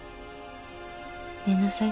寝なさい。